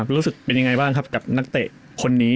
รู้สึกเป็นยังไงบ้างครับกับนักเตะคนนี้